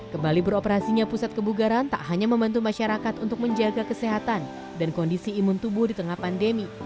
kembali beroperasinya pusat kebugaran tak hanya membantu masyarakat untuk menjaga kesehatan dan kondisi imun tubuh di tengah pandemi